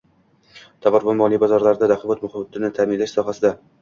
tovar va moliya bozorlarida raqobat muhitini ta’minlash sohasida